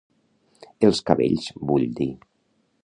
Els cabells, vull dir.